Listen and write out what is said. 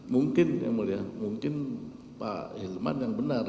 mungkin yang mulia mungkin pak hilman yang benar